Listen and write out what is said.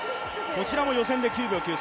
こちらも予選で９秒９３。